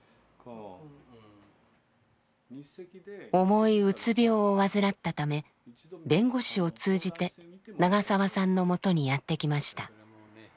重いうつ病を患ったため弁護士を通じて長澤さんのもとにやって来ました。